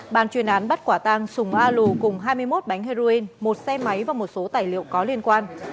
bàn chuyên án bắt quả tăng sùng a lù cùng hai mươi một bánh heroin một xe máy và một số tài liệu có liên quan